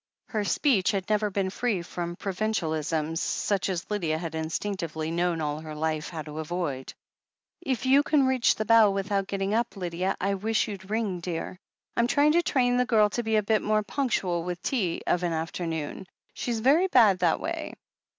Her speech had never been free from provincialisms such as Lydia had instinctively known all her life how to avoid. "If you can reach the bell without getting up, Lydia, I wish you'd ring, dear. I'm trying to train the girl to be a bit more ptmctual with tea of an afternoon — ^she's very bad that way.